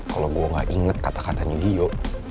kalau gue gak inget kata katanya giyo